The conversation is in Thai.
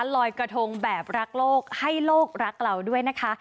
ลอยกระทงแบบรักโลกให้โลกรักเราด้วยนะคะ